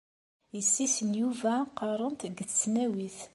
Yessi-s n Yuba qqarent deg tesnawit.